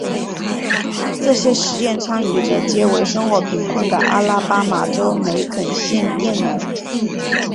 这些实验参与者皆为生活贫困的阿拉巴马州梅肯县佃农。